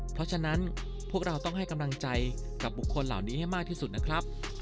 เพราะฉะนั้นพวกเราต้องให้กำลังใจกับบุคคลเหล่านี้ให้มากที่สุดนะครับ